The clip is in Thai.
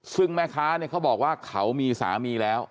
ซึ่งแม่ค้าเนี่ยเขาบอกว่าเขามีสามีแล้ว